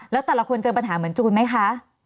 แล้วแต่ละคนเจอปัญหาเหมือนจูนไหมคะ